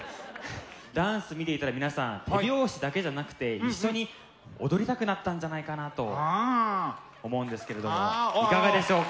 ダンス見ていたら皆さん手拍子だけじゃなくて一緒に踊りたくなったんじゃないかなと思うんですけれどもいかがでしょうか？